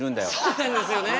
そうなんですよね。